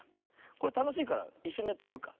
これたのしいからいっしょにやってみようか。